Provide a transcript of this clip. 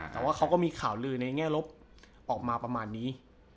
แต่ว่าเขาก็มีข่าวลือในแง่ลบออกมาประมาณนี้